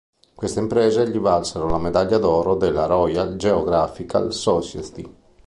Queste imprese gli valsero la medaglia d'oro della Royal Geographical Society.